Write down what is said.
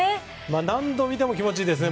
何度見ても気持ちいいですね。